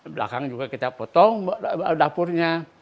belakang juga kita potong dapurnya